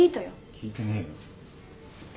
聞いてねえよ。